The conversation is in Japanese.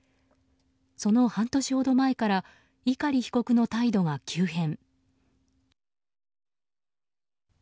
その半年ほど前から碇被告の態度が急変。